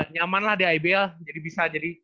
nyaman lah di ibl jadi bisa jadi